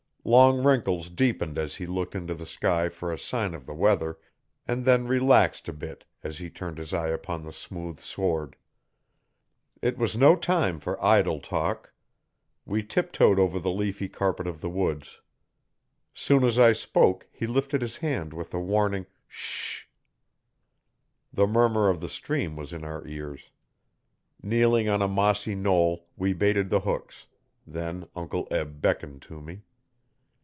Long wrinkles deepened as he looked into the sky for a sign of the weather, and then relaxed a bit as he turned his eyes upon the smooth sward. It was no time for idle talk. We tiptoed over the leafy carpet of the woods. Soon as I spoke he lifted his hand with a warning 'Sh h!' The murmur of the stream was in our ears. Kneeling on a mossy knoll we baited the hooks; then Uncle Eb beckoned to me.